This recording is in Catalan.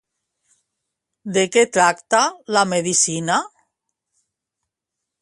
De què tracta la medicina?